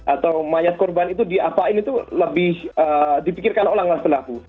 atau mayat korban itu diapain itu lebih dipikirkan ulang oleh pelaku